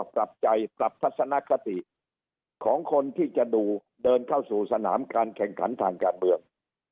ปรับใจปรับทัศนคติของคนที่จะดูเดินเข้าสู่สนามการแข่งขันทางการเมือง